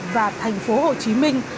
và thành phố hồ chí minh